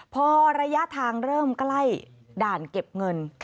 พอระยะทางเริ่มใกล้ด่านเก็บเงิน